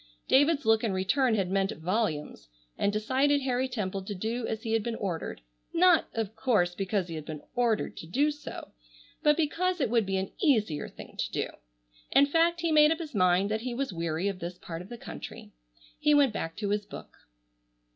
David's look in return had meant volumes, and decided Harry Temple to do as he had been ordered, not, of course, because he had been ordered to do so, but because it would be an easier thing to do. In fact he made up his mind that he was weary of this part of the country. He went back to his book.